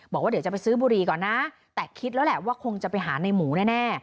บอกว่าเดี๋ยวจะไปซื้อบุหรี่ก่อนนะแต่คิดแล้วแหละว่าคงจะไปหาในหมูแน่